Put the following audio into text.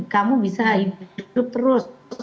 kamu bisa hidup terus